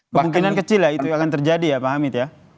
kemungkinan kecil lah itu akan terjadi ya pak hamid ya